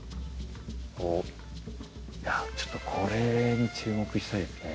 おっいやちょっとこれに注目したいですね